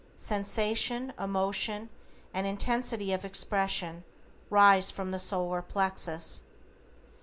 Sensation, emotion and intensity of expression rise from the solar plexus.